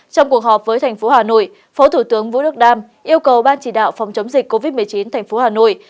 trong cuộc họp với tp hà nội phó thủ tướng vũ đức đam yêu cầu ban chỉ đạo phòng chống dịch covid một mươi chín tp hà nội